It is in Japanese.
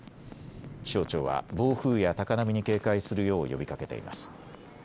気象庁は暴風や高波に警戒するよう呼びかけています。